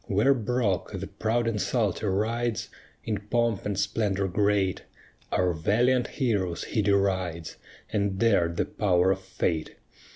Where Brock, the proud insulter, rides In pomp and splendor great; Our valiant heroes he derides, And dared the power of fate.